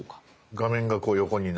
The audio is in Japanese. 画面がこう横になる。